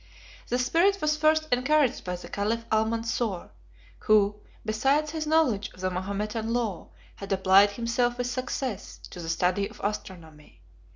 This spirit was first encouraged by the caliph Almansor, who, besides his knowledge of the Mahometan law, had applied himself with success to the study of astronomy.